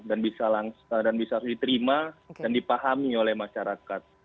dan bisa langsung diterima dan dipahami oleh masyarakat